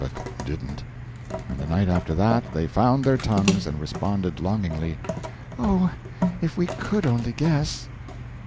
But didn't. And the night after that they found their tongues and responded longingly: "Oh, if we COULD only guess!"